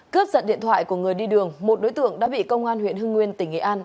cướp giật điện thoại của người đi đường một đối tượng đã bị công an huyện hưng nguyên tỉnh nghệ an